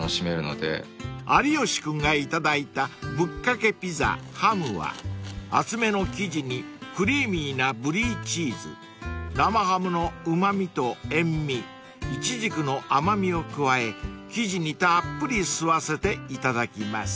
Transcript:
［有吉君がいただいたぶっかけピザハムは厚めの生地にクリーミーなブリーチーズ生ハムのうま味と塩味イチジクの甘味を加え生地にたっぷり吸わせていただきます］